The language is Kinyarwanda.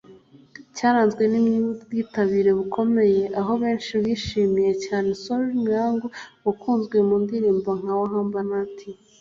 Cyaranzwe n’ubwitabire bukomeye aho benshi bishimiye cyane Solly Mahlangu wakunzwe mu ndirimbo nka Wahamba Nathi